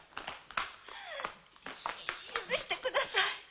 許してください！